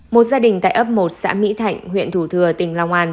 một gia đình tại ấp một xã mỹ thạnh huyện thủ thừa tỉnh long an